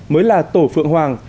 mới là tổ phượng hoàng